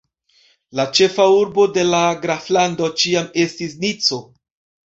La ĉefa urbo de la graflando ĉiam estis Nico.